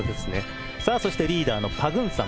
そしてリーダーのパグンサン。